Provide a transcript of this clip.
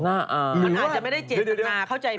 น่าอ่าเดี๋ยวมันอาจจะไม่ได้เจนตนาเข้าใจมี